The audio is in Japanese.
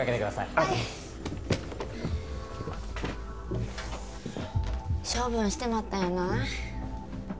はい処分してまったんやない？